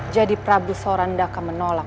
jadi prabu sorandaka menolak